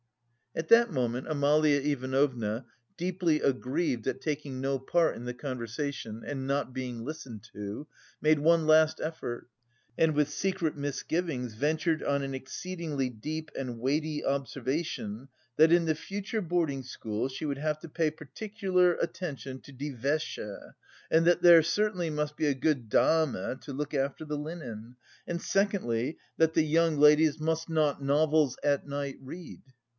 At that moment, Amalia Ivanovna, deeply aggrieved at taking no part in the conversation, and not being listened to, made one last effort, and with secret misgivings ventured on an exceedingly deep and weighty observation, that "in the future boarding school she would have to pay particular attention to die Wäsche, and that there certainly must be a good dame to look after the linen, and secondly that the young ladies must not novels at night read."